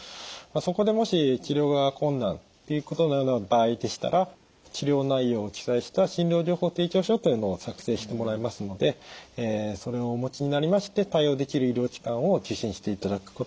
そこでもし治療が困難っていうことのような場合でしたら治療内容を記載した診療情報提供書というのを作成してもらえますのでそれをお持ちになりまして対応できる医療機関を受診していただくことがいいと思います。